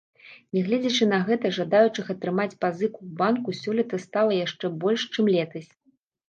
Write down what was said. Нягледзячы на гэта, жадаючых атрымаць пазыку ў банку сёлета стала яшчэ больш, чым летась.